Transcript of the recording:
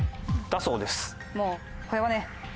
もうこれはね。